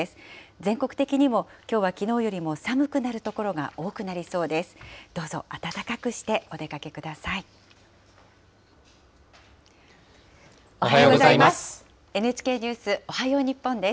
全国的にも、きょうはきのうよりも寒くなる所が多くなりそうです。